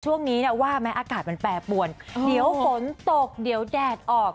ช่วงนี้นะว่าแม้อากาศมันแปรปวนเดี๋ยวฝนตกเดี๋ยวแดดออก